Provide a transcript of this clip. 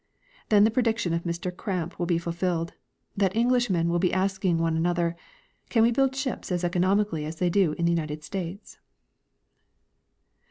Then the prediction of Mr Cramp will be fulfilled, that Englishmen Avill be asking one another, " Can we build ships as economically as they do in the United States?"